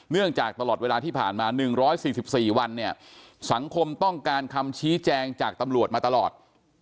จากตลอดเวลาที่ผ่านมา๑๔๔วันเนี่ยสังคมต้องการคำชี้แจงจากตำรวจมาตลอด